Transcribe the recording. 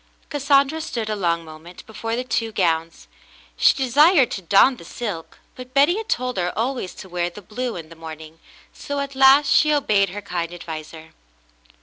Cassandra stood a long moment before the two gowns. She desired to don the silk, but Betty had told her always to wear the blue in the morning, so at last she obeyed her kind adviser.